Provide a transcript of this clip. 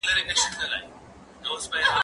زه اجازه لرم چي مړۍ وخورم؟!